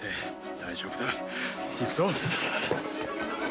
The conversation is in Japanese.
大丈夫だ行くぞ。